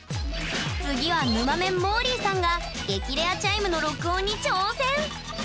次はぬまメン・もーりーさんが激レアチャイムの録音に挑戦！